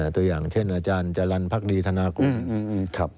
ตัวอย่างเช่นอาจารย์จรรย์ภักดีธนากุลครับ